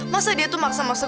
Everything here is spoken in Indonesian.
masa dia tuh maksa masuk